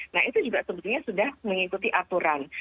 nah itu juga sebetulnya sudah mengikuti aturan